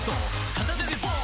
片手でポン！